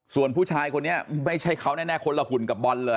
ส่วนผู้ชายคนนี้ไม่ใช่เขาแน่คนละหุ่นกับบอลเลย